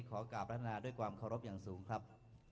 ขอกราบรัฐนาด้วยความเคารพอย่างสูงครับ